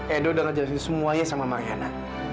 edo udah ngejelasin semuanya sama mariana